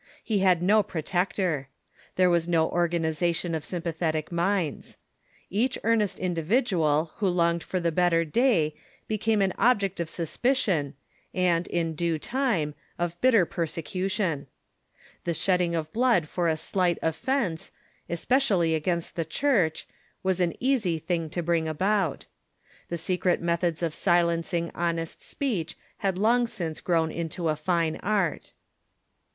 He had no pro tector. There was no organization of sympathetic minds. Each earnest indiA'idual who longed for the better day be came an object of suspicion, and, in due time, of bitter perse cution. The shedding of blood for a slight offence, especially against the Church, Avas an easy thing to bring about. The secret methods of silencing honest speech had long since groAvn into a fine art.